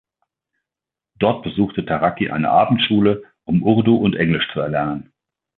Dort besuchte Taraki eine Abendschule, um Urdu und Englisch zu erlernen.